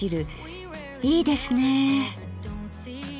いいですね。